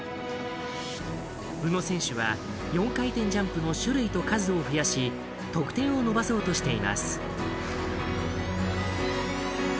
宇野選手は、４回転ジャンプの種類と数を増やし得点を伸ばそうとしています。